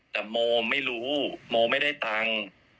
แต่โมไม่รู้โมไม่ได้ตังค์